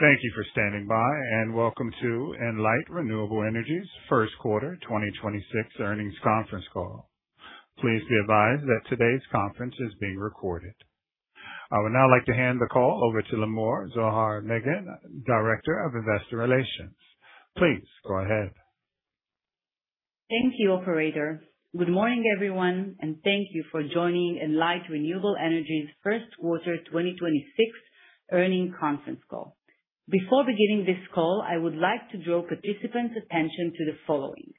Thank you for standing by, and welcome to Enlight Renewable Energy's first quarter 2026 earnings conference call. Please be advised that today's conference is being recorded. I would now like to hand the call over to Limor Zohar Megen, Director of Investor Relations. Please go ahead. Thank you, operator. Good morning, everyone. Thank you for joining Enlight Renewable Energy's first quarter 2026 earnings conference call. Before beginning this call, I would like to draw participants' attention to the following.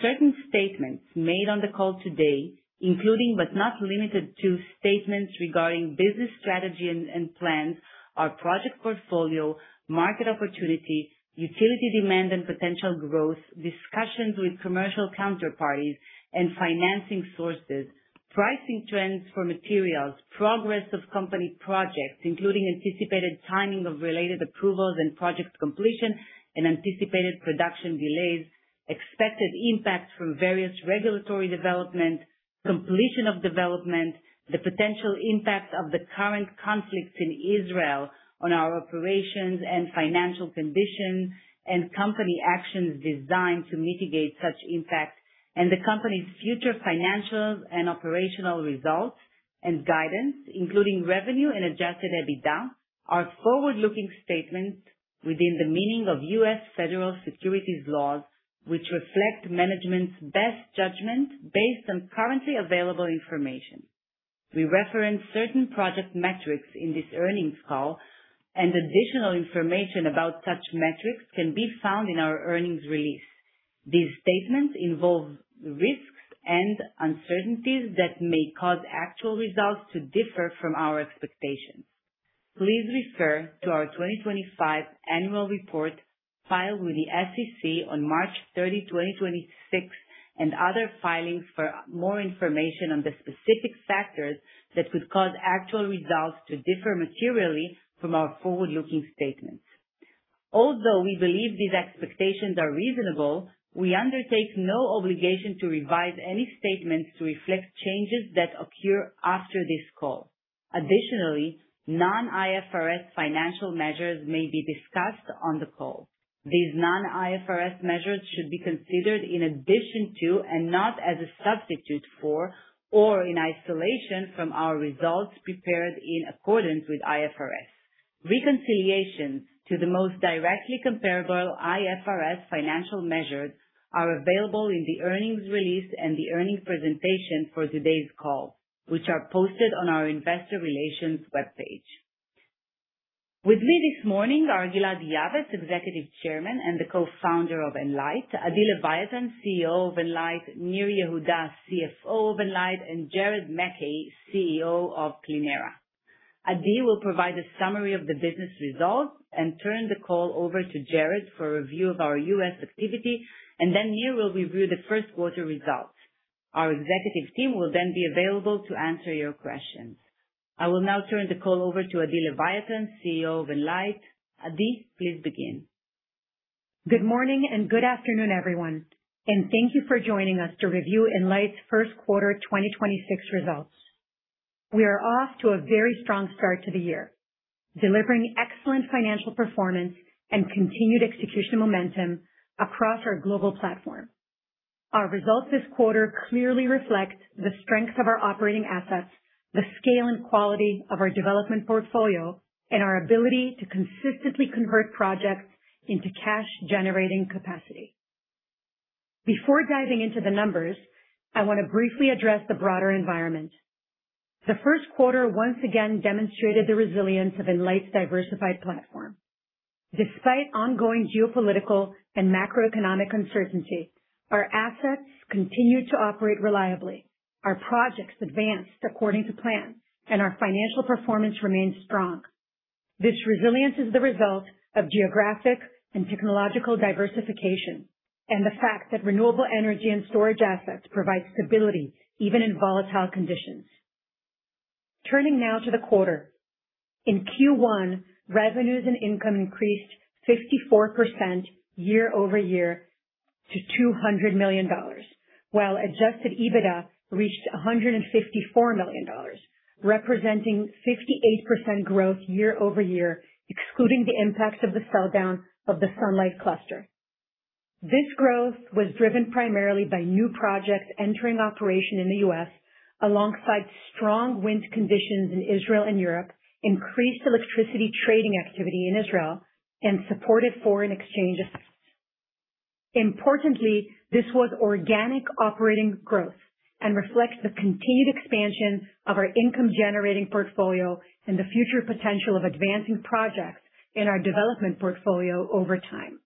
Certain statements made on the call today, including but not limited to, statements regarding business strategy and plans, our project portfolio, market opportunity, utility demand and potential growth, discussions with commercial counterparties and financing sources, pricing trends for materials, progress of company projects, including anticipated timing of related approvals and project completion and anticipated production delays, expected impact from various regulatory development, completion of development, the potential impact of the current conflict in Israel on our operations and financial condition, and company actions designed to mitigate such impact, and the company's future financials and operational results and guidance, including revenue and adjusted EBITDA, are forward-looking statements within the meaning of U.S. federal securities laws, which reflect management's best judgment based on currently available information. We reference certain project metrics in this earnings call, and additional information about such metrics can be found in our earnings release. These statements involve risks and uncertainties that may cause actual results to differ from our expectations. Please refer to our 2025 annual report filed with the SEC on March 30, 2026, and other filings for more information on the specific factors that could cause actual results to differ materially from our forward-looking statements. Although we believe these expectations are reasonable, we undertake no obligation to revise any statements to reflect changes that occur after this call. Additionally, non-IFRS financial measures may be discussed on the call. These non-IFRS measures should be considered in addition to and not as a substitute for or in isolation from our results prepared in accordance with IFRS. Reconciliation to the most directly comparable IFRS financial measures are available in the earnings release and the earnings presentation for today's call, which are posted on our investor relations webpage. With me this morning are Gilad Yavetz, Executive Chairman and the co-founder of Enlight, Adi Leviatan, CEO of Enlight, Nir Yehuda, CFO of Enlight, and Jared McKee, CEO of Clēnera. Adi will provide a summary of the business results and turn the call over to Jared for a review of our U.S. activity. Then Nir will review the first quarter results. Our executive team will then be available to answer your questions. I will now turn the call over to Adi Leviatan, CEO of Enlight. Adi, please begin. Good morning and good afternoon, everyone, and thank you for joining us to review Enlight's first quarter 2026 results. We are off to a very strong start to the year, delivering excellent financial performance and continued execution momentum across our global platform. Our results this quarter clearly reflect the strength of our operating assets, the scale and quality of our development portfolio, and our ability to consistently convert projects into cash generating capacity. Before diving into the numbers, I want to briefly address the broader environment. The first quarter once again demonstrated the resilience of Enlight's diversified platform. Despite ongoing geopolitical and macroeconomic uncertainty, our assets continued to operate reliably, our projects advanced according to plan, and our financial performance remained strong. This resilience is the result of geographic and technological diversification and the fact that renewable energy and storage assets provide stability even in volatile conditions. Turning now to the quarter. In Q1, revenues and income increased 54% year-over-year to $200 million, while adjusted EBITDA reached $154 million, representing 58% growth year-over-year, excluding the impacts of the sell down of the Sunlight cluster. This growth was driven primarily by new projects entering operation in the U.S., alongside strong wind conditions in Israel and Europe, increased electricity trading activity in Israel and supported foreign exchanges. Importantly, this was organic operating growth and reflects the continued expansion of our income generating portfolio and the future potential of advancing projects in our development portfolio over time.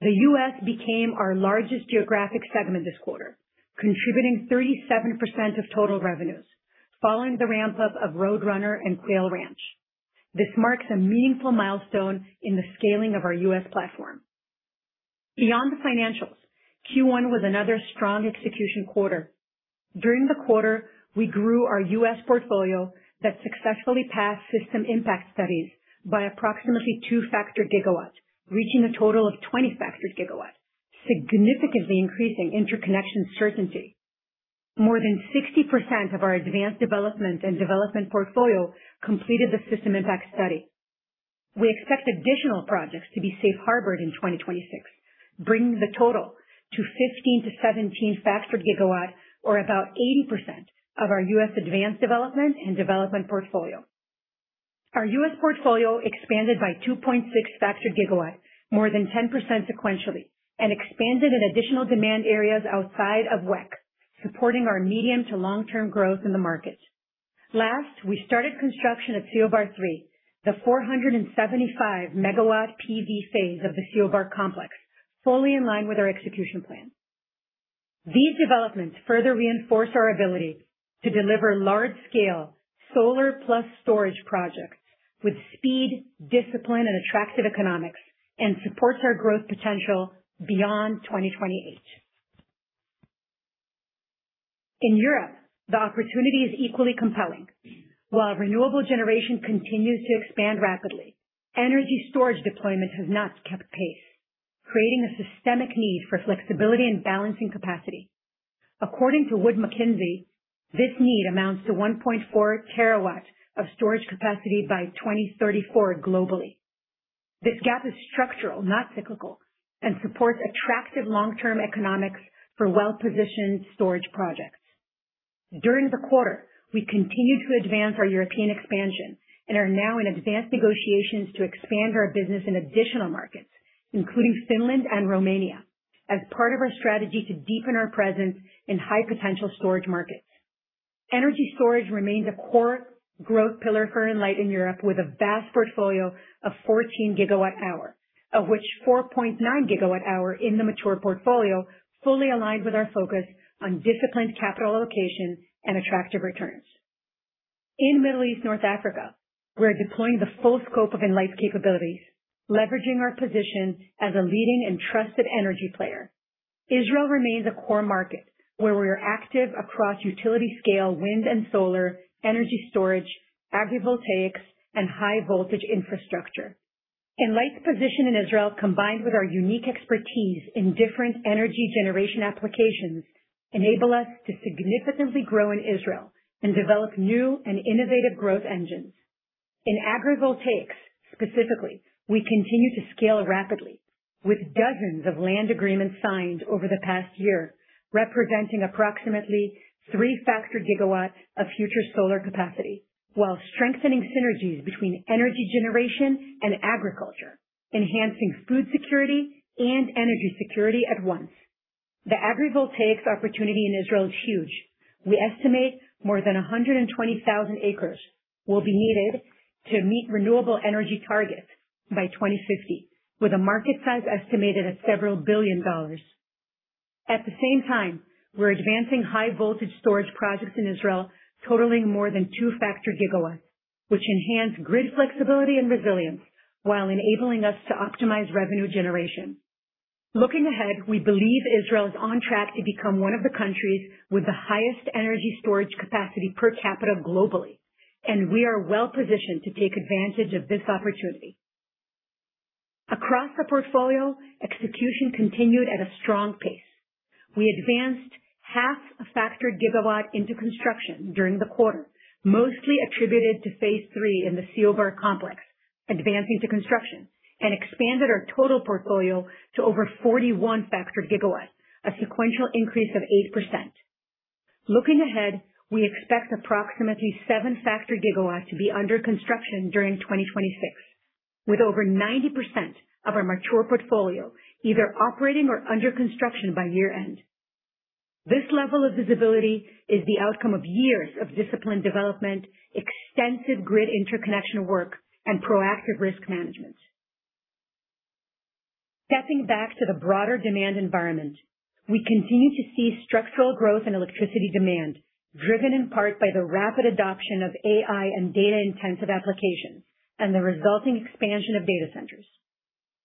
The U.S. became our largest geographic segment this quarter, contributing 37% of total revenues following the ramp-up of Roadrunner and Quail Ranch. This marks a meaningful milestone in the scaling of our U.S. platform. Beyond the financials, Q1 was another strong execution quarter. During the quarter, we grew our U.S. portfolio that successfully passed system impact studies by approximately 2 factored gigawatts, reaching a total of 20 factored GW, significantly increasing interconnection certainty. More than 60% of our advanced development and development portfolio completed the system impact study. We expect additional projects to be safe harbored in 2026, bringing the total to 15-17 factored GW or about 80% of our U.S. advanced development and development portfolio. Our U.S. portfolio expanded by 2.6 factored GW, more than 10% sequentially, and expanded in additional demand areas outside of WECC, supporting our medium to long-term growth in the market. Last, we started construction at CO Bar 3, the 475 MW PV phase of the CO Bar Complex, fully in line with our execution plan. These developments further reinforce our ability to deliver large-scale solar plus storage projects with speed, discipline, and attractive economics, and supports our growth potential beyond 2028. In Europe, the opportunity is equally compelling. While renewable generation continues to expand rapidly, energy storage deployment has not kept pace, creating a systemic need for flexibility and balancing capacity. According to Wood Mackenzie, this need amounts to 1.4 TW of storage capacity by 2034 globally. This gap is structural, not cyclical, and supports attractive long-term economics for well-positioned storage projects. During the quarter, we continued to advance our European expansion and are now in advanced negotiations to expand our business in additional markets, including Finland and Romania, as part of our strategy to deepen our presence in high-potential storage markets. Energy storage remains a core growth pillar for Enlight in Europe, with a vast portfolio of 14 GWh, of which 4.9 GWh in the mature portfolio fully aligned with our focus on disciplined capital allocation and attractive returns. In Middle East, North Africa, we're deploying the full scope of Enlight's capabilities, leveraging our position as a leading and trusted energy player. Israel remains a core market where we are active across utility-scale wind and solar, energy storage, agrivoltaics, and high-voltage infrastructure. Enlight's position in Israel, combined with our unique expertise in different energy generation applications, enable us to significantly grow in Israel and develop new and innovative growth engines. In agrivoltaics specifically, we continue to scale rapidly with dozens of land agreements signed over the past year, representing approximately 3 factored GW of future solar capacity while strengthening synergies between energy generation and agriculture, enhancing food security and energy security at once. The agrivoltaics opportunity in Israel is huge. We estimate more than 120,000 acres will be needed to meet renewable energy targets by 2050, with a market size estimated at several billion dollars. At the same time, we're advancing high-voltage storage projects in Israel totaling more than 2 factored GW, which enhance grid flexibility and resilience while enabling us to optimize revenue generation. Looking ahead, we believe Israel is on track to become one of the countries with the highest energy storage capacity per capita globally, and we are well-positioned to take advantage of this opportunity. Across the portfolio, execution continued at a strong pace. We advanced 0.5 factored GW into construction during the quarter, mostly attributed to phase III in the CO Bar Complex, advancing to construction and expanded our total portfolio to over 41 factored GW, a sequential increase of 8%. Looking ahead, we expect approximately 7 factored GW to be under construction during 2026, with over 90% of our mature portfolio either operating or under construction by year-end. This level of visibility is the outcome of years of disciplined development, extensive grid interconnection work, and proactive risk management. Stepping back to the broader demand environment, we continue to see structural growth in electricity demand, driven in part by the rapid adoption of AI and data-intensive applications and the resulting expansion of data centers.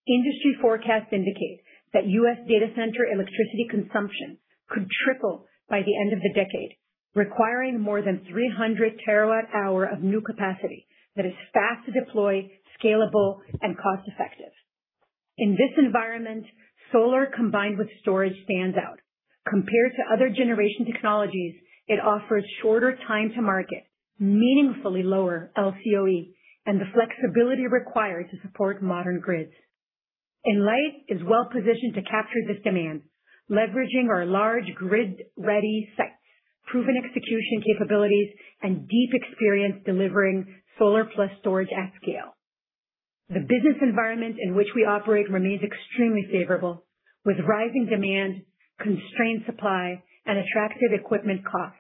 Industry forecasts indicate that U.S. data center electricity consumption could triple by the end of the decade, requiring more than 300 TWh of new capacity that is fast to deploy, scalable, and cost-effective. In this environment, solar combined with storage stands out. Compared to other generation technologies, it offers shorter time to market, meaningfully lower LCOE, and the flexibility required to support modern grids. Enlight is well-positioned to capture this demand, leveraging our large grid-ready sites, proven execution capabilities, and deep experience delivering solar plus storage at scale. The business environment in which we operate remains extremely favorable, with rising demand, constrained supply, and attractive equipment costs.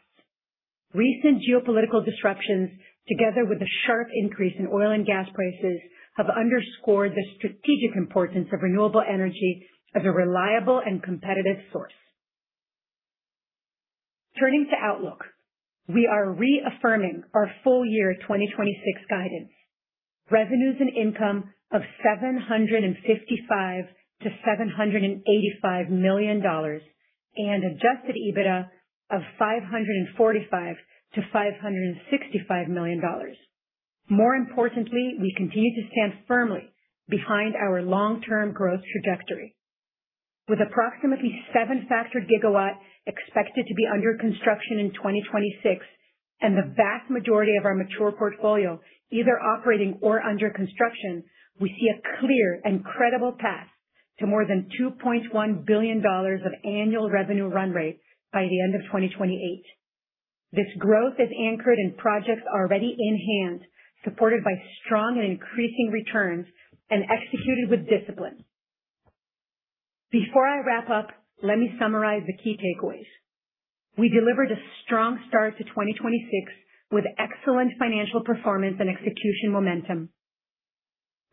Recent geopolitical disruptions, together with a sharp increase in oil and gas prices, have underscored the strategic importance of renewable energy as a reliable and competitive source. Turning to outlook. We are reaffirming our full year 2026 guidance. Revenues and income of $755 million-$785 million and adjusted EBITDA of $545 million-$565 million. More importantly, we continue to stand firmly behind our long-term growth trajectory. With approximately 7 GW expected to be under construction in 2026 and the vast majority of our mature portfolio either operating or under construction, we see a clear and credible path to more than $2.1 billion of annual revenue run rate by the end of 2028. This growth is anchored in projects already in hand, supported by strong and increasing returns and executed with discipline. Before I wrap up, let me summarize the key takeaways. We delivered a strong start to 2026 with excellent financial performance and execution momentum.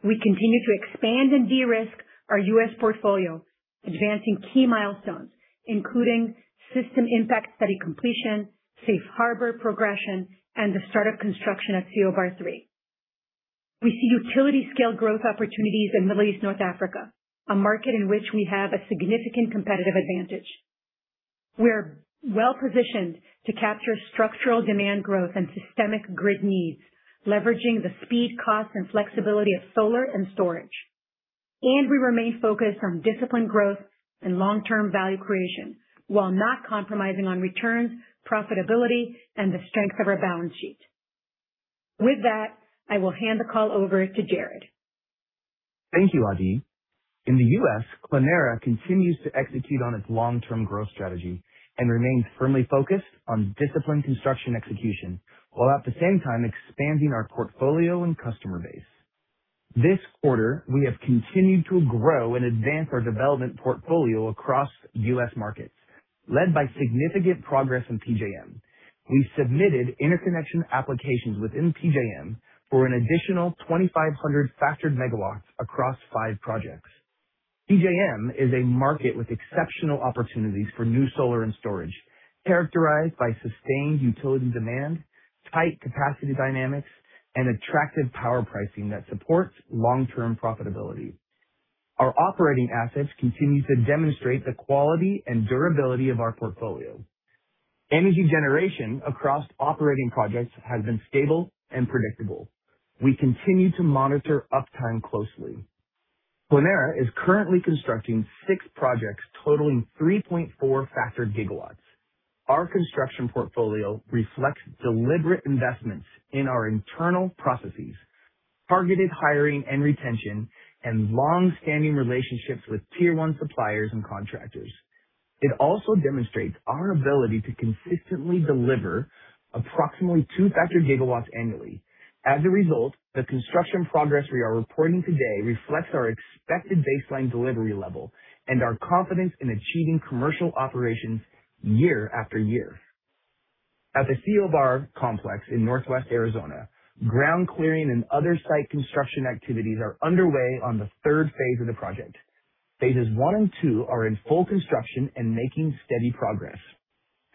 We continue to expand and de-risk our U.S. portfolio, advancing key milestones including system impact, study completion, safe harbor progression, and the start of construction at CO Bar 3. We see utility scale growth opportunities in Middle East, North Africa, a market in which we have a significant competitive advantage. We're well-positioned to capture structural demand growth and systemic grid needs, leveraging the speed, cost and flexibility of solar and storage. We remain focused on disciplined growth and long-term value creation while not compromising on returns, profitability and the strength of our balance sheet. With that, I will hand the call over to Jared. Thank you, Adi. In the U.S., Clēnera continues to execute on its long-term growth strategy and remains firmly focused on disciplined construction execution, while at the same time expanding our portfolio and customer base. This quarter, we have continued to grow and advance our development portfolio across U.S. markets, led by significant progress in PJM. We've submitted interconnection applications within PJM for an additional 2,500 factored MW across 5 projects. PJM is a market with exceptional opportunities for new solar and storage, characterized by sustained utility demand, tight capacity dynamics, and attractive power pricing that supports long-term profitability. Our operating assets continue to demonstrate the quality and durability of our portfolio. Energy generation across operating projects has been stable and predictable. We continue to monitor uptime closely. Clēnera is currently constructing six projects totaling 3.4 factored GW. Our construction portfolio reflects deliberate investments in our internal processes, targeted hiring and retention, and long-standing relationships with Tier 1 suppliers and contractors. It also demonstrates our ability to consistently deliver approximately 2 factored GW annually. As a result, the construction progress we are reporting today reflects our expected baseline delivery level and our confidence in achieving commercial operations year after year. At the CO Bar Complex in northwest Arizona, ground clearing and other site construction activities are underway on the third phase of the project. phases I and II are in full construction and making steady progress.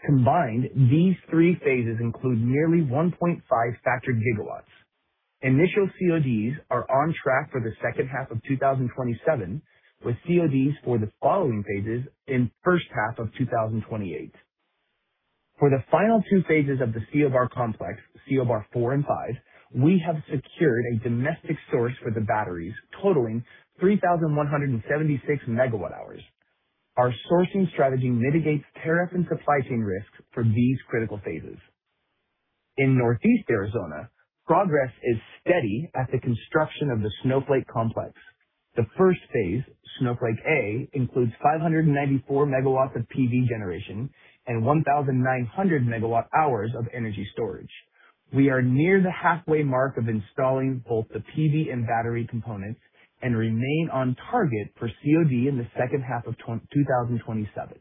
Combined, these three phases include nearly 1.5 factored GW. Initial CODs are on track for the second half of 2027, with CODs for the following phases in first half of 2028. For the final two phases of the CO Bar Complex, CO Bar four and five, we have secured a domestic source for the batteries totaling 3,176 MWh. Our sourcing strategy mitigates tariff and supply chain risks for these critical phases. In northeast Arizona, progress is steady at the construction of the Snowflake Complex. The first phase, Snowflake A, includes 594 MW of PV generation and 1,900 MWh of energy storage. We are near the halfway mark of installing both the PV and battery components and remain on target for COD in the second half of 2027.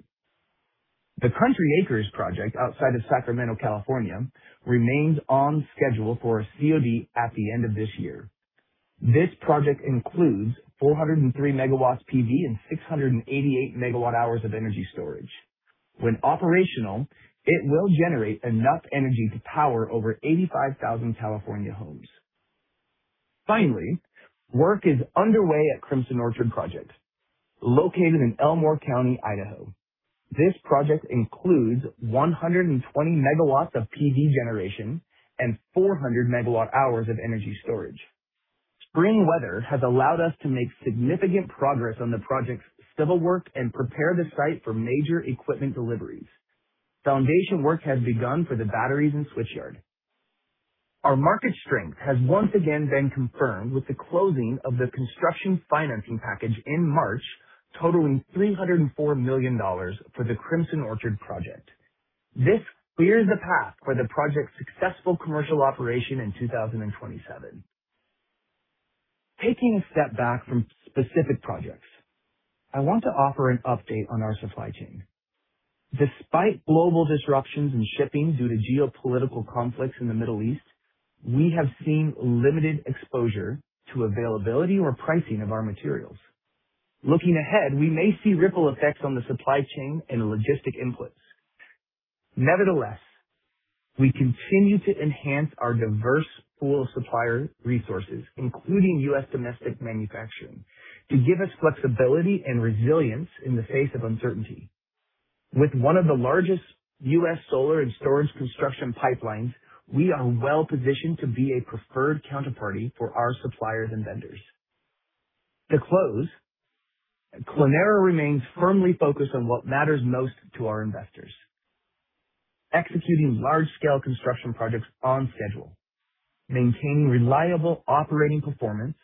The Country Acres project outside of Sacramento, California, remains on schedule for a COD at the end of this year. This project includes 403 MW PV and 688 MWh of energy storage. When operational, it will generate enough energy to power over 85,000 California homes. Work is underway at Crimson Orchard project located in Elmore County, Idaho. This project includes 120 MW of PV generation and 400 MWh of energy storage. Spring weather has allowed us to make significant progress on the project's civil work and prepare the site for major equipment deliveries. Foundation work has begun for the batteries and switchyard. Our market strength has once again been confirmed with the closing of the construction financing package in March, totaling $304 million for the Crimson Orchard project. This clears the path for the project's successful commercial operation in 2027. Taking a step back from specific projects, I want to offer an update on our supply chain. Despite global disruptions in shipping due to geopolitical conflicts in the Middle East, we have seen limited exposure to availability or pricing of our materials. Looking ahead, we may see ripple effects on the supply chain and logistic inputs. Nevertheless, we continue to enhance our diverse pool of supplier resources, including U.S. domestic manufacturing, to give us flexibility and resilience in the face of uncertainty. With one of the largest U.S. solar and storage construction pipelines, we are well-positioned to be a preferred counterparty for our suppliers and vendors. To close, Clēnera remains firmly focused on what matters most to our investors. Executing large-scale construction projects on schedule, maintaining reliable operating performance,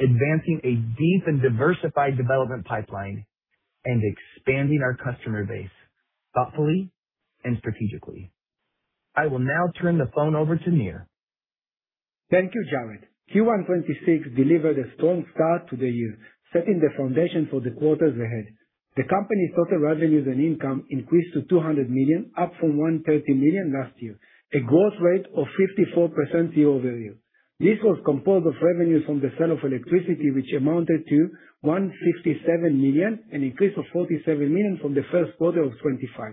advancing a deep and diversified development pipeline, and expanding our customer base thoughtfully and strategically. I will now turn the phone over to Nir. Thank you, Jared. Q1 2026 delivered a strong start to the year, setting the foundation for the quarters ahead. The company's total revenues and income increased to $200 million, up from $130 million last year, a growth rate of 54% year-over-year. This was composed of revenues from the sale of electricity, which amounted to $157 million, an increase of $47 million from the first quarter of 2025,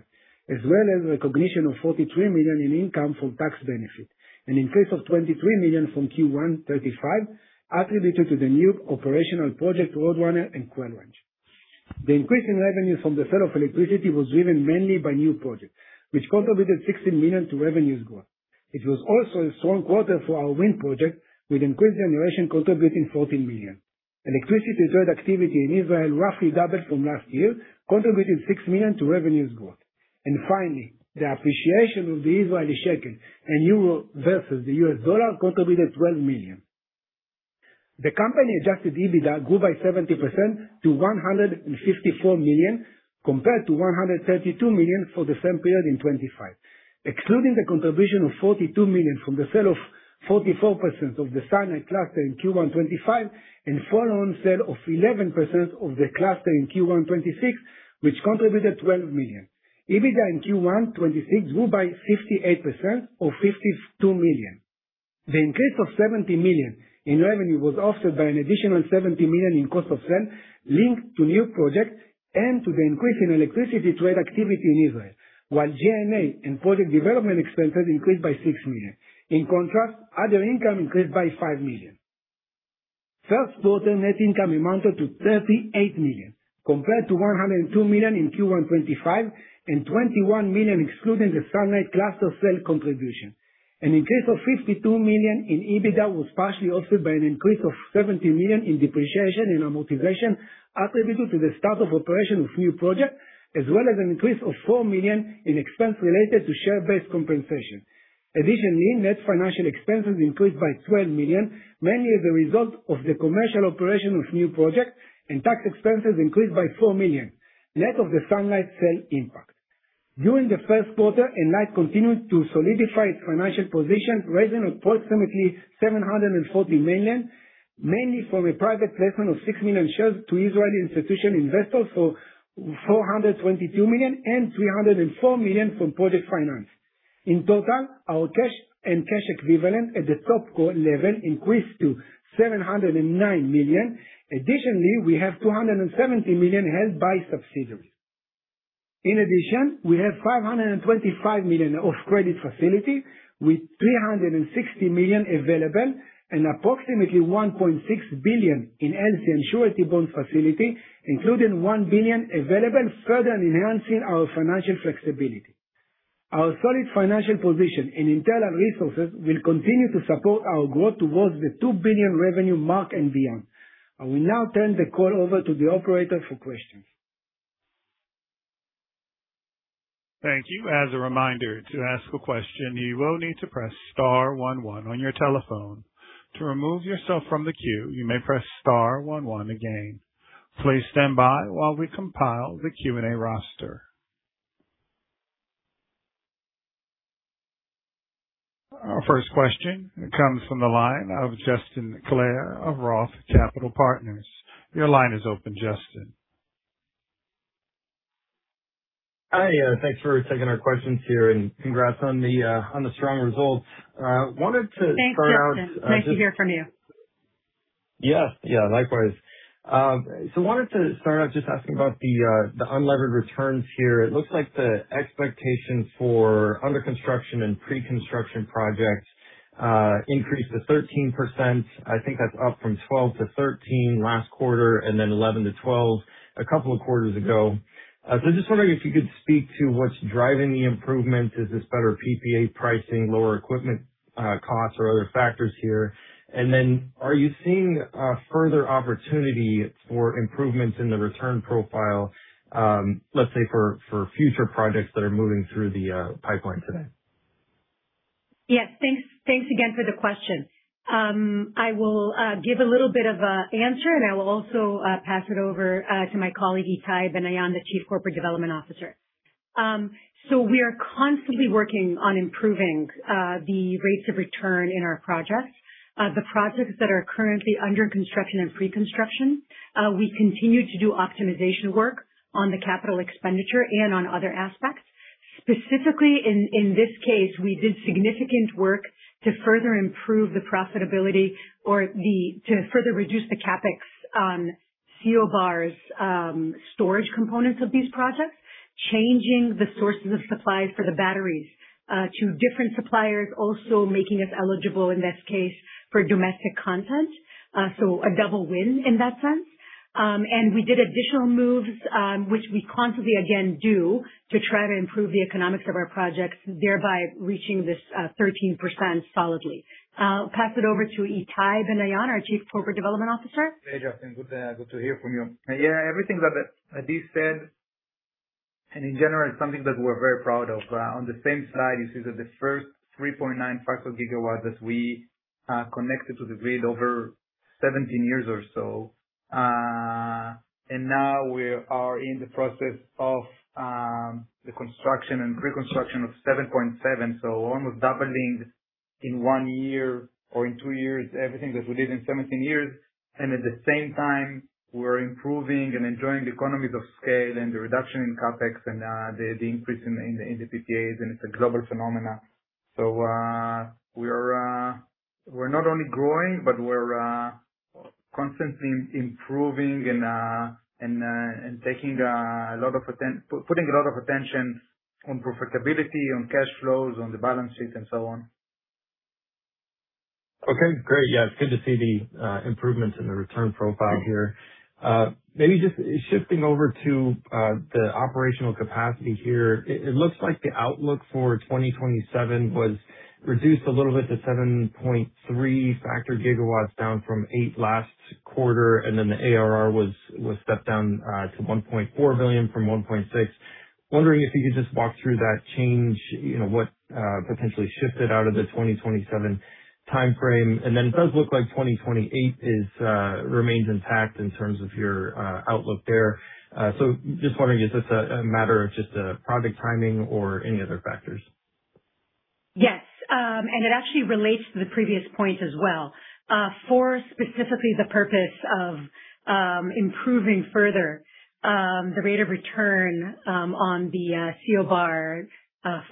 as well as recognition of $43 million in income from tax benefit. An increase of $23 million from Q1 2025 attributed to the new operational project, Roadrunner and Quail Ranch. The increase in revenues from the sale of electricity was driven mainly by new projects, which contributed $16 million to revenues growth. It was also a strong quarter for our wind project, with increased generation contributing $14 million. Electricity trade activity in Israel roughly doubled from last year, contributing $6 million to revenues growth. Finally, the appreciation of the Israeli shekel and Euro versus the U.S. dollar contributed $12 million. The company-adjusted EBITDA grew by 70% to $154 million compared to $132 million for the same period in 2025. Excluding the contribution of $42 million from the sale of 44% of the Sunlight cluster in Q1 2025 and follow-on sale of 11% of the cluster in Q1 2026, which contributed $12 million. EBITDA in Q1 2026 grew by 58% or $52 million. The increase of $70 million in revenue was offset by an additional $70 million in cost of sales linked to new projects and to the increase in electricity trade activity in Israel, while G&A and project development expenses increased by $6 million. In contrast, other income increased by $5 million. First quarter net income amounted to $38 million, compared to $102 million in Q1 2025 and $21 million excluding the Sunlight cluster sale contribution. An increase of $52 million in EBITDA was partially offset by an increase of $70 million in depreciation and amortization attributable to the start of operation of new projects, as well as an increase of $4 million in expense related to share-based compensation. Additionally, net financial expenses increased by $12 million, mainly as a result of the commercial operation of new projects, and tax expenses increased by $4 million, net of the Sunlight sale impact. During the first quarter, Enlight continued to solidify its financial position, raising approximately $740 million, mainly from a private placement of 6 million shares to Israeli institutional investors for $422 million and $304 million from project finance. In total, our cash and cash equivalents at the top co level increased to $709 million. Additionally, we have $270 million held by subsidiaries. We have $525 million of credit facility with $360 million available and approximately $1.6 billion in LC and surety bond facility, including $1 billion available, further enhancing our financial flexibility. Our solid financial position and intellectual resources will continue to support our growth towards the $2 billion revenue mark and beyond. I will now turn the call over to the operator for questions. Thank you. As a reminder, to ask a question, you will need to press star one one on your telephone. To remove yourself from the queue, you may press star one one again. Please stand by while we compile the Q&A roster. Our first question comes from the line of Justin Clare of ROTH Capital Partners. Your line is open, Justin. Hi, thanks for taking our questions here, and congrats on the strong results. Thanks, Justin. Nice to hear from you. Yes. Yeah, likewise. Wanted to start out just asking about the unlevered returns here. It looks like the expectation for under construction and pre-construction projects increased to 13%. I think that's up from 12%-13% last quarter and then 11%-12% a couple of quarters ago. Just wondering if you could speak to what's driving the improvement. Is this better PPA pricing, lower equipment costs or other factors here? Are you seeing further opportunity for improvements in the return profile, let's say for future projects that are moving through the pipeline today? Thanks again for the question. I will give a little bit of an answer, and I will also pass it over to my colleague, Itay Banayan, the Chief Corporate Development Officer. We are constantly working on improving the rates of return in our projects. The projects that are currently under construction and pre-construction, we continue to do optimization work on the capital expenditure and on other aspects. Specifically, in this case, we did significant work to further improve the profitability or to further reduce the CapEx on CO Bar storage components of these projects, changing the sources of supplies for the batteries to different suppliers, also making us eligible in this case for domestic content. A double win in that sense. We did additional moves, which we constantly, again, do to try to improve the economics of our projects, thereby reaching this 13% solidly. I'll pass it over to Itay Banayan, our Chief Corporate Development Officer. Hey, Justin. Good to hear from you. Yeah, everything that Adi said, and in general, it's something that we're very proud of. On the same slide, you see that the first 3.9 actual GW that we connected to the grid over 17 years or so. Now we are in the process of the construction and reconstruction of 7.7. Almost doubling in one year or in two years, everything that we did in 17 years. At the same time, we're improving and enjoying the economies of scale and the reduction in CapEx, the increase in the PPAs, and it's a global phenomenon. We are, we're not only growing, but we're constantly improving putting a lot of attention on profitability, on cash flows, on the balance sheet, and so on. Okay, great. Yeah, it's good to see the improvements in the return profile here. Maybe just shifting over to the operational capacity here. It looks like the outlook for 2027 was reduced a little bit to 7.3 factor GW, down from eight last quarter, the ARR was stepped down to $1.4 billion from $1.6 billion. Wondering if you could just walk through that change, you know, what potentially shifted out of the 2027 timeframe. It does look like 2028 is remains intact in terms of your outlook there. Just wondering, is this a matter of just project timing or any other factors? Yes, it actually relates to the previous point as well. For specifically the purpose of improving further the rate of return on the CO Bar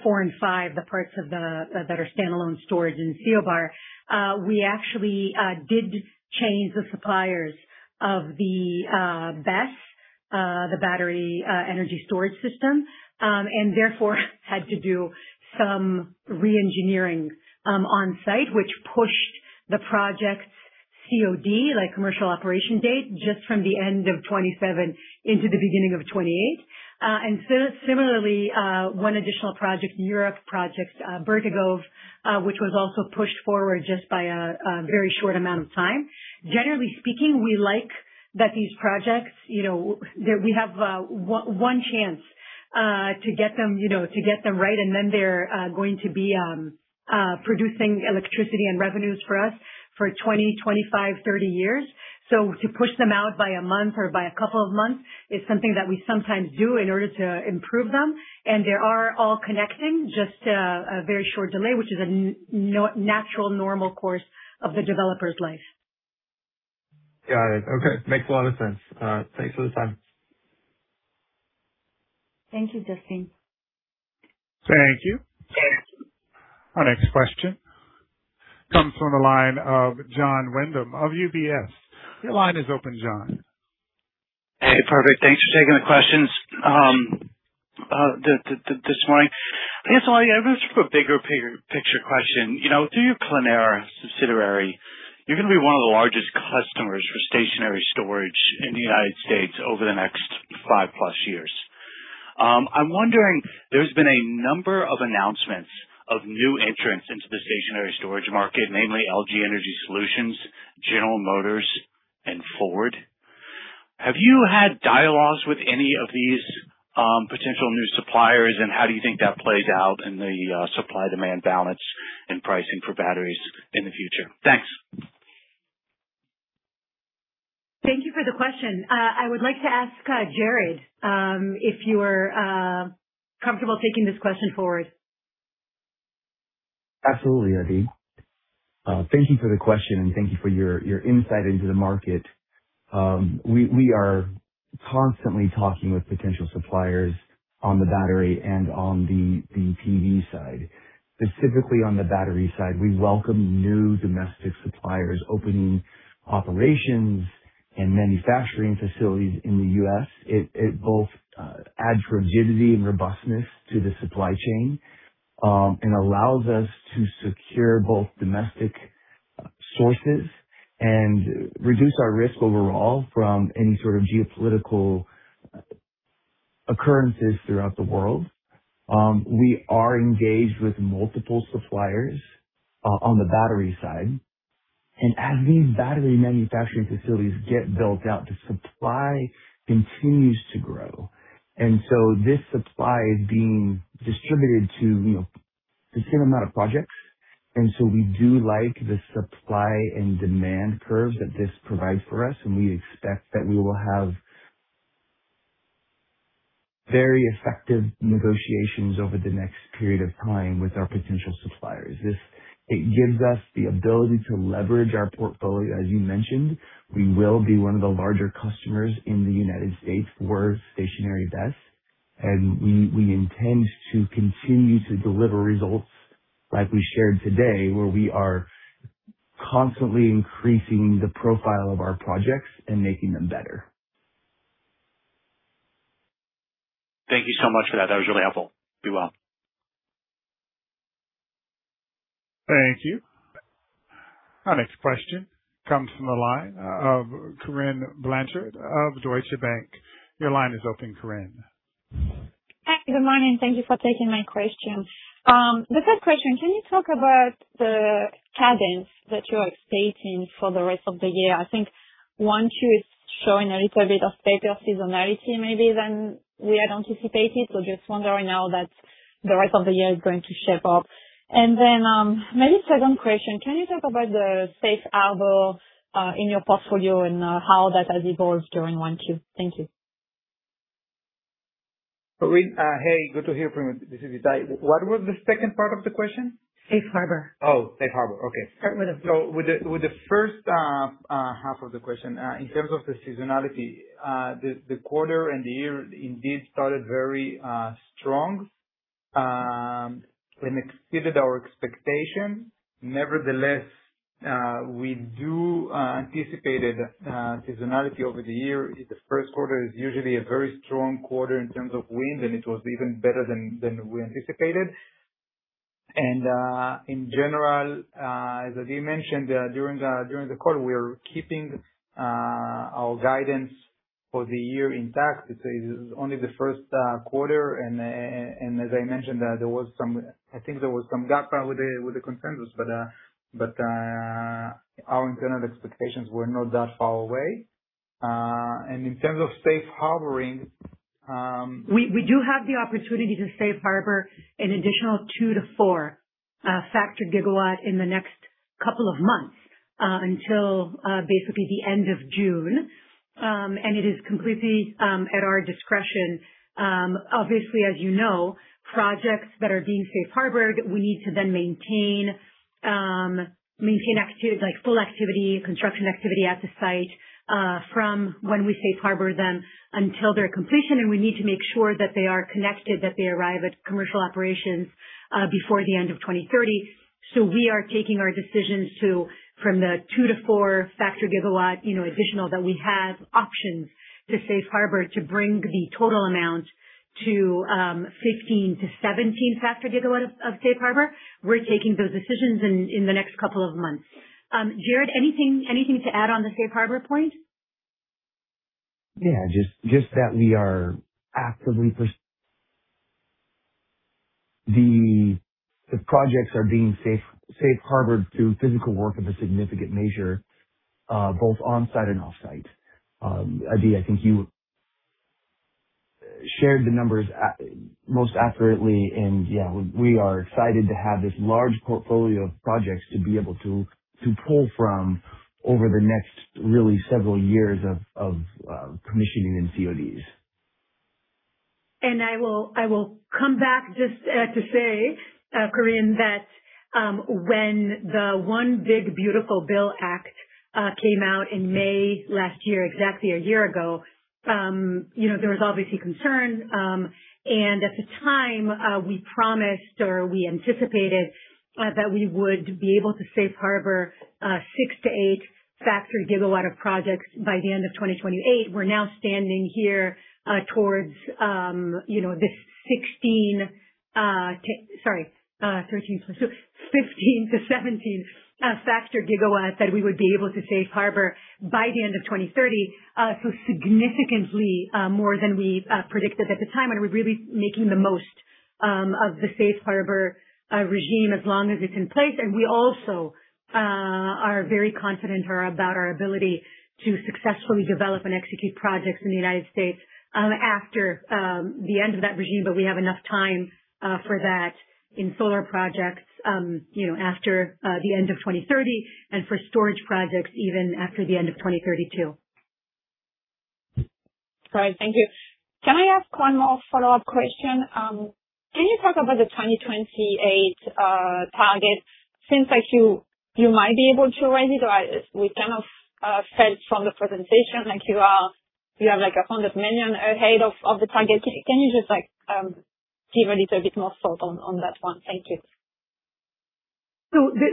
4 and 5, the parts that are standalone storage in CO Bar. We actually did change the suppliers of the BESS, the battery energy storage system, and therefore had to do some re-engineering on site, which pushed the project's COD, like commercial operation date, just from the end of 2027 into the beginning of 2028. Similarly, one additional project, Europe project, Bjerkreim, which was also pushed forward just by a very short amount of time. Generally speaking, we like that these projects, you know, that we have one chance to get them, you know, to get them right, and then they're going to be producing electricity and revenues for us for 20, 25, 30 years. To push them out by a month or by a couple of months is something that we sometimes do in order to improve them. They are all connecting, just a very short delay, which is a natural, normal course of the developer's life. Got it. Okay. Makes a lot of sense. Thanks for the time. Thank you, Justin. Thank you. Our next question comes from the line of Jon Windham of UBS. Your line is open, Jon. Hey, perfect. Thanks for taking the questions this morning. I guess I have just a bigger picture question. You know, through your Clēnera subsidiary, you're gonna be one of the largest customers for stationary storage in the U.S. over the next 5+ years. I'm wondering, there's been a number of announcements of new entrants into the stationary storage market, namely LG Energy Solution, General Motors, and Ford. Have you had dialogues with any of these potential new suppliers, and how do you think that plays out in the supply-demand balance and pricing for batteries in the future? Thanks. Thank you for the question. I would like to ask Jared, if you're comfortable taking this question forward. Absolutely, Adi Leviatan. Thank you for the question, and thank you for your insight into the market. We are constantly talking with potential suppliers on the battery and on the PV side. Specifically on the battery side, we welcome new domestic suppliers opening operations and manufacturing facilities in the U.S. It both adds rigidity and robustness to the supply chain, and allows us to secure both domestic sources and reduce our risk overall from any sort of geopolitical occurrences throughout the world. We are engaged with multiple suppliers on the battery side. As these battery manufacturing facilities get built out, the supply continues to grow, this supply being distributed to, you know, the same amount of projects. We do like the supply and demand curve that this provides for us, and we expect that we will have very effective negotiations over the next period of time with our potential suppliers. It gives us the ability to leverage our portfolio. As you mentioned, we will be one of the larger customers in the U.S. for stationary BESS, and we intend to continue to deliver results like we shared today, where we are constantly increasing the profile of our projects and making them better. Thank you so much for that. That was really helpful. Be well. Thank you. Our next question comes from the line of Corinne Blanchard of Deutsche Bank. Your line is open, Corinne. Hi, good morning. Thank you for taking my question. The first question, can you talk about the cadence that you are expecting for the rest of the year? I think Q1, Q2 is showing a little bit of paper seasonality maybe than we had anticipated. I'm just wondering now that the rest of the year is going to shape up. Maybe the second question, can you talk about the safe harbor in your portfolio and how that has evolved during Q1, Q2? Thank you. Corinne, hey, good to hear from you. This is Itay. What was the second part of the question? Safe harbor. Oh, safe harbor. Okay. Start with the. With the first half of the question, in terms of the seasonality, the quarter and the year indeed started very strong and exceeded our expectations. Nevertheless, we do anticipated seasonality over the year. The first quarter is usually a very strong quarter in terms of wind, and it was even better than we anticipated. In general, as Adi mentioned, during the call, we are keeping our guidance for the year intact. This is only the first quarter. As I mentioned, there was some gap with the consensus, but our internal expectations were not that far away. In terms of safe harboring. We do have the opportunity to safe harbor an additional 2 to 4 factor GW in the next couple of months until basically the end of June. It is completely at our discretion. Obviously, as you know, projects that are being safe harbored, we need to then maintain activities like full activity, construction activity at the site from when we safe harbor them until their completion. We need to make sure that they are connected, that they arrive at commercial operations before the end of 2030. We are taking our decisions to, from the 2 to 4 factor GW, you know, additional that we have options to safe harbor to bring the total amount to 15 to 17 factor GW of safe harbor. We're taking those decisions in the next couple of months. Jared, anything to add on the safe harbor point? Yeah, just that we are actively pursuing. The projects are being safe harbored through physical work of a significant nature, both on-site and off-site. Adi, I think you shared the numbers most accurately. Yeah, we are excited to have this large portfolio of projects to be able to pull from over the next really several years of commissioning and CODs. I will come back just to say, Corinne, that when the One Big Beautiful Bill Act came out in May last year, exactly a year ago, there was obviously concern. At the time, we promised or we anticipated that we would be able to safe harbor 6 to 8 factor GW of projects by the end of 2028. We're now standing here towards the 16, 15 to 17 factor GW that we would be able to safe harbor by the end of 2030. Significantly more than we predicted at the time. We're really making the most of the safe harbor regime as long as it's in place. We also are very confident about our ability to successfully develop and execute projects in the U.S. after the end of that regime. We have enough time, you know, for that in solar projects after the end of 2030 and for storage projects even after the end of 2030 too. Right. Thank you. Can I ask one more follow-up question? Can you talk about the 2028 target since you might be able to raise it or we kind of felt from the presentation you have like $100 million ahead of the target. Can you just give a little bit more thought on that one? Thank you.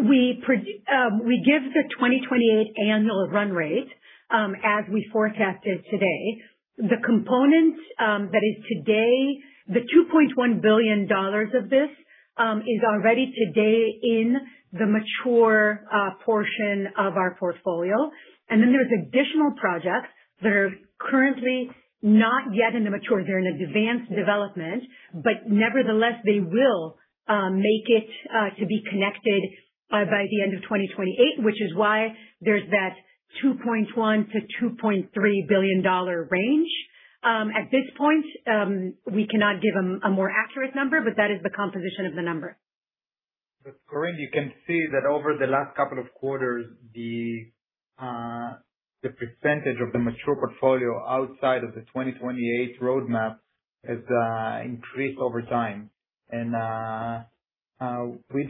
We give the 2028 annual run rate as we forecasted today. The component that is today, the $2.1 billion of this, is already today in the mature portion of our portfolio. There's additional projects that are currently not yet in the mature. They're in advanced development, nevertheless, they will make it to be connected by the end of 2028, which is why there's that $2.1 billion-$2.3 billion range. At this point, we cannot give a more accurate number, that is the composition of the number. Corinne, you can see that over the last couple of quarters, the percentage of the mature portfolio outside of the 2028 roadmap has increased over time. With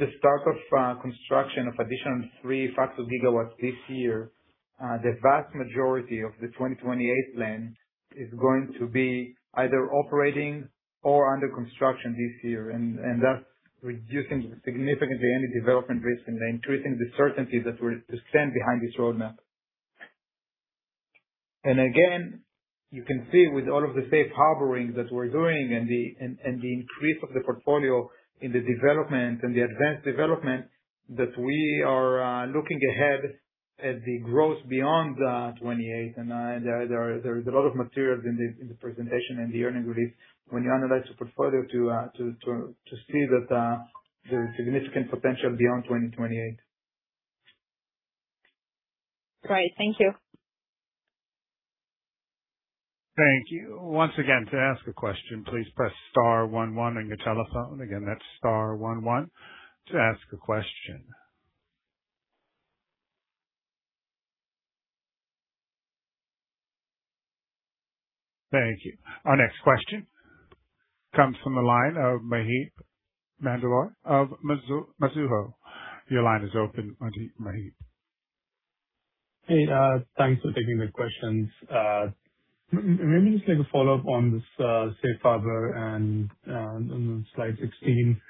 the start of construction of additional 3 factor GW this year, the vast majority of the 2028 plan is going to be either operating or under construction this year. That's reducing significantly any development risk and increasing the certainty that we're to stand behind this roadmap. Again, you can see with all of the safe harboring that we're doing and the increase of the portfolio in the development and the advanced development that we are looking ahead at the growth beyond 2028. There is a lot of materials in the presentation and the earning release when you analyze the portfolio to see that there is significant potential beyond 2028. Great. Thank you. Thank you. Once again, to ask a question, please press star one one on your telephone. Again, that's star one one to ask a question. Thank you. Our next question comes from the line of Maheep Mandloi of Mizuho. Your line is open, Maheep. Hey, thanks for taking the questions. Maybe just like a follow-up on this safe harbor and on slide 16.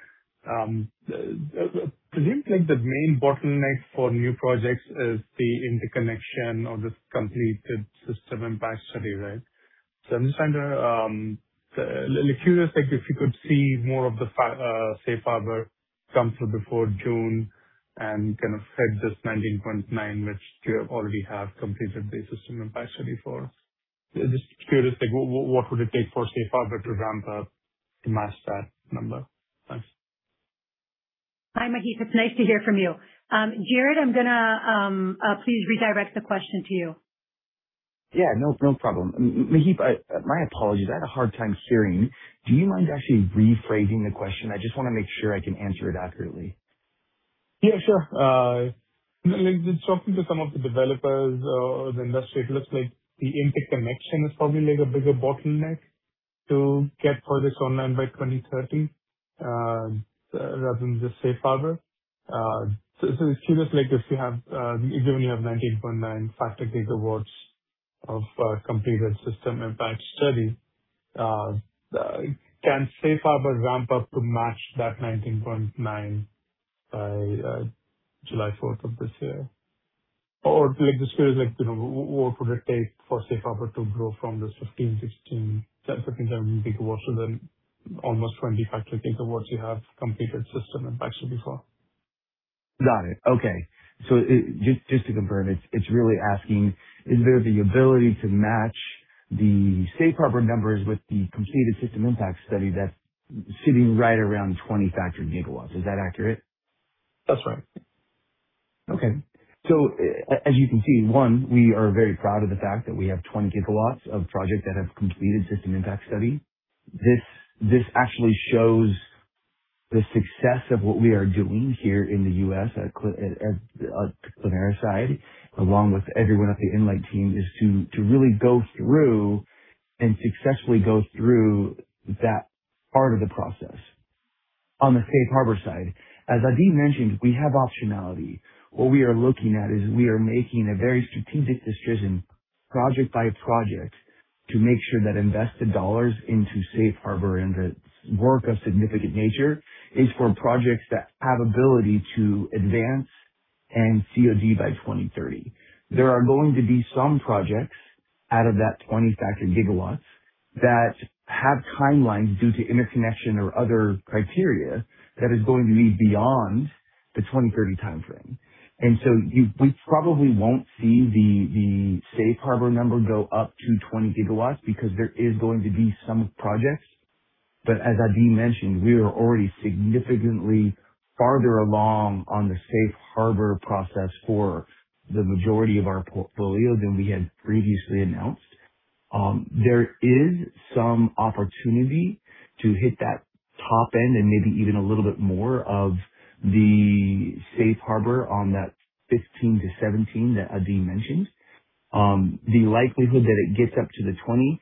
Seems like the main bottleneck for new projects is the interconnection of this completed system impact study, right? I'm just trying to, curious, like, if you could see more of the safe harbor come through before June and kind of fed this 19.9 GW, which you already have completed the system impact study for. Just curious, like, what would it take for safe harbor to ramp up to match that number? Thanks. Hi, Maheep. It's nice to hear from you. Jared, I'm gonna please redirect the question to you. Yeah, no problem. Maheep, my apologies. I had a hard time hearing. Do you mind actually rephrasing the question? I just wanna make sure I can answer it accurately. Yeah, sure. like, talking to some of the developers or the industry, it looks like the interconnection is probably like a bigger bottleneck to get projects online by 2030, rather than just safe harbor. So it seems like if you have, given you have 19.9 factor GW of completed system impact study, can safe harbor ramp up to match that 19.9 by July 4th of this year? Just curious, like, you know, what would it take for safe harbor to grow from this 15 GW, 16 GW, 17 GW to almost 25 GW you have completed system impact study for? Got it. Okay. Just to confirm, it's really asking, is there the ability to match the Safe Harbor numbers with the completed system impact study that's sitting right around 20 GW? Is that accurate? That's right. As you can see, one, we are very proud of the fact that we have 20 GW of projects that have completed system impact study. This actually shows the success of what we are doing here in the U.S. at the Clēnera side, along with everyone at the Enlight team, is to really go through and successfully go through that part of the process. On the safe harbor side, as Adi mentioned, we have optionality. What we are looking at is we are making a very strategic decision, project by project, to make sure that invested dollars into safe harbor and the work of significant nature is for projects that have ability to advance and COD by 2030. There are going to be some projects out of that 20 factor GW that have timelines due to interconnection or other criteria that is going to be beyond the 2030 timeframe. We probably won't see the Safe Harbor number go up to 20 GW because there is going to be some projects. As Adi mentioned, we are already significantly farther along on the Safe Harbor process for the majority of our portfolio than we had previously announced. There is some opportunity to hit that top end and maybe even a little bit more of the Safe Harbor on that 15-17 that Adi mentioned. The likelihood that it gets up to the 20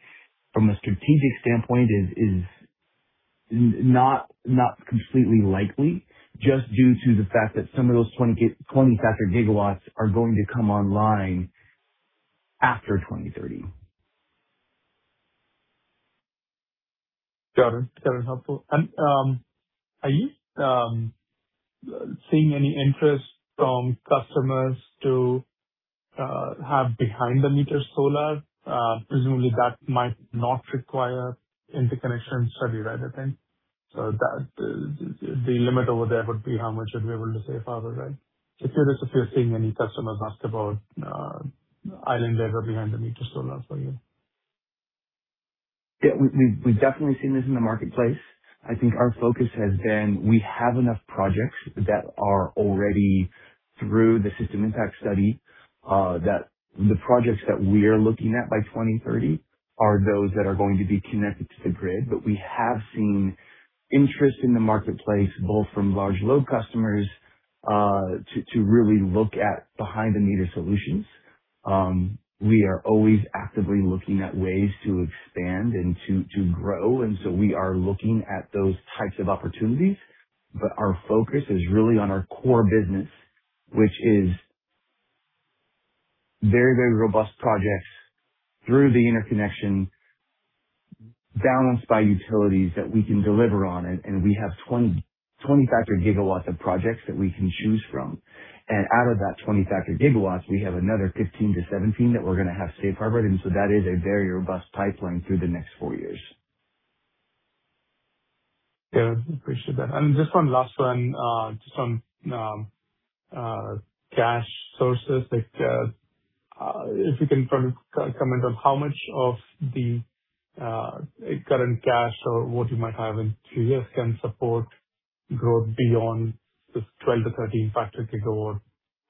from a strategic standpoint is not completely likely, just due to the fact that some of those 20 GW are going to come online after 2030. Got it. That is helpful. Are you seeing any interest from customers to have behind the meter solar? Presumably, that might not require interconnection study, right, I think. The limit over there would be how much should be able to safe harbor, right? Just curious if you're seeing any customers ask about island labor behind the meter solar for you. We've definitely seen this in the marketplace. I think our focus has been, we have enough projects that are already through the system impact study, that the projects that we are looking at by 2030 are those that are going to be connected to the grid. We have seen interest in the marketplace, both from large load customers, to really look at behind the meter solutions. We are always actively looking at ways to expand and to grow, and so we are looking at those types of opportunities. Our focus is really on our core business, which is very robust projects through the interconnection by utilities that we can deliver on, and we have 20 GW of projects that we can choose from. Out of that 20 GW, we have another 15-17 that we're gonna have safe harbor. That is a very robust pipeline through the next four years. Yeah, I appreciate that. Just one last one, just on cash sources. Like, if you can comment on how much of the current cash or what you might have in two years can support growth beyond this 12 GW-13 GW,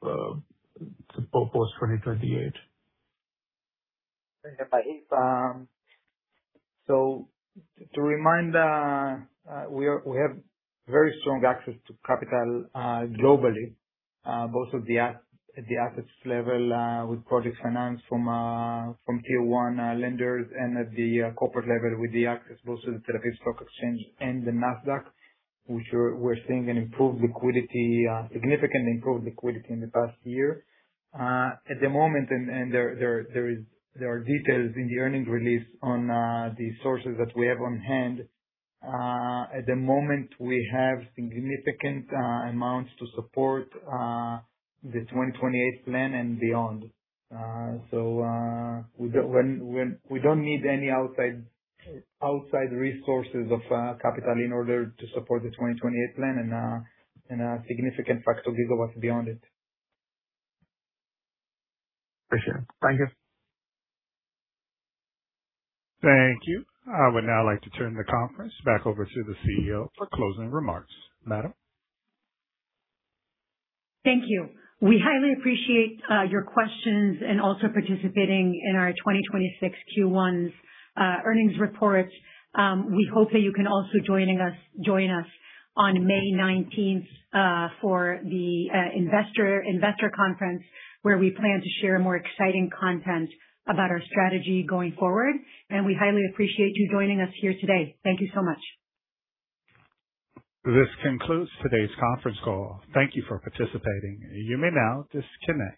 post-2028. To remind, we have very strong access to capital globally, both at the assets level, with project finance from Tier 1 lenders and at the corporate level with the access both to the Tel Aviv Stock Exchange and the Nasdaq, which we're seeing an improved liquidity, significant improved liquidity in the past year. At the moment, there are details in the earnings release on the sources that we have on hand. At the moment, we have significant amounts to support the 2028 plan and beyond. We don't need any outside resources of capital in order to support the 2028 plan and a significant factor of gigawatt beyond it. Appreciate it. Thank you. Thank you. I would now like to turn the conference back over to the CEO for closing remarks. Madam? Thank you. We highly appreciate your questions and also participating in our 2026 Q1 earnings report. We hope that you can also join us on May 19th for the investor conference, where we plan to share more exciting content about our strategy going forward. We highly appreciate you joining us here today. Thank you so much. This concludes today's conference call. Thank you for participating. You may now disconnect.